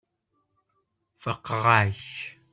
Faqeɣ-ak.